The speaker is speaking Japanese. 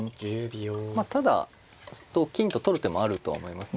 まあただ同金と取る手もあるとは思いますね。